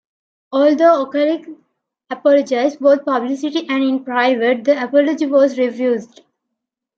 Although Okalik apologized, both publicly and in private, the apology was refused.